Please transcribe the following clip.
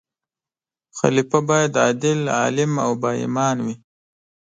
خلیفه باید عادل، عالم او با ایمان وي.